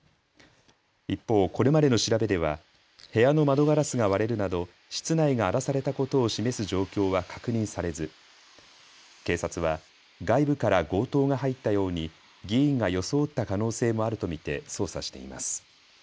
一方、これまでの調べでは部屋の窓ガラスが割れるなど室内が荒らされたことを示す状況は確認されず警察は外部から強盗が入ったように議員が装った可能性もあると見て捜査しています。